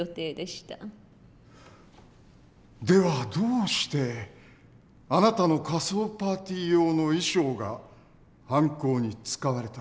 ではどうしてあなたの仮装パーティー用の衣装が犯行に使われたのか？